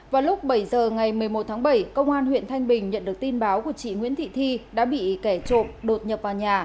vào lúc bảy giờ ngày một mươi một tháng bảy công an huyện thanh bình nhận được tin báo của chị nguyễn thị thi đã bị kẻ trộm đột nhập vào nhà